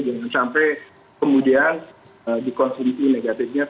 jangan sampai kemudian dikonsumsi negatifnya